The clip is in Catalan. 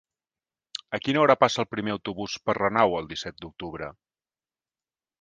A quina hora passa el primer autobús per Renau el disset d'octubre?